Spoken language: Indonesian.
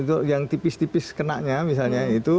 dan itu yang tipis tipis kenanya misalnya itu